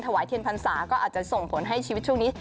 แหวนเทียนพรรษาก็อาจจะส่งผลให้ชีวิตช่วงนี้